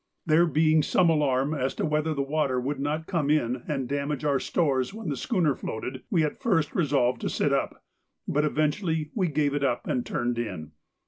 There being some alarm as to whether the water would not come in and damage our stores when the schooner floated, we at first resolved to sit up, but eventually we gave it up and turned in.